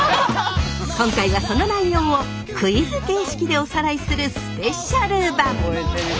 今回はその内容をクイズ形式でおさらいするスペシャル版。